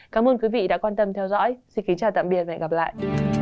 cảm ơn quý vị đã quan tâm theo dõi xin kính chào tạm biệt và hẹn gặp lại